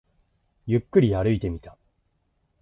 ゆっくり歩いてみた